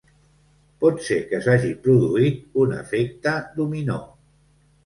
Pot ser que s’hagi produït un efecte dominó.